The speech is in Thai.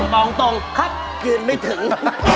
บอกตรงครับยืนไม่ถึง